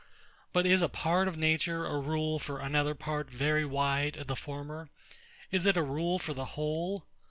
But is a part of nature a rule for another part very wide of the former? Is it a rule for the whole?